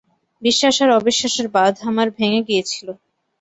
বিশ্বাস আর অবিশ্ববাসের বাঁধ আমার ভেঙে গিয়েছিল।